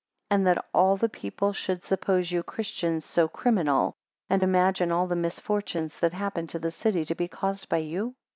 2 And that all the people should suppose you (Christians) so criminal, and imagine all the misfortunes that happen to the city, to be caused by you?